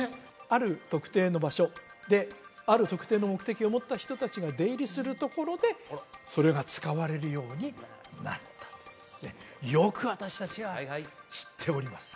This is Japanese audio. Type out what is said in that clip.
ある特定の場所である特定の目的を持った人達が出入りするところでそれが使われるようになったとよく私達が知っております